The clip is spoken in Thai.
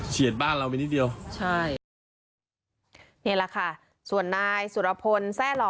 บ้านเราไปนิดเดียวใช่นี่แหละค่ะส่วนนายสุรพลแซ่หล่อ